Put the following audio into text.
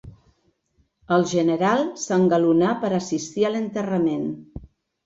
El general s'engalonà per assistir a l'enterrament.